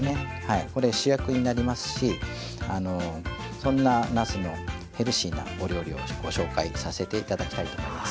これ主役になりますしそんななすのヘルシーなお料理をご紹介させていただきたいと思います。